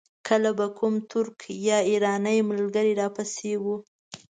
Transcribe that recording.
کله به کوم ترک یا ایراني ملګری را پسې و.